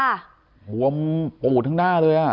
หัวมอุ่นในหน้าเลยอ่ะ